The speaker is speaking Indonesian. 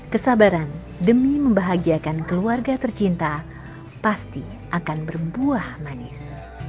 kesabaran demi membahagiakan keluarga tercinta pasti akan berbuah manis